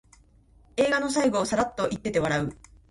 映画の最後をサラッと言ってて笑う